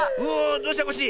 どうした⁉コッシー。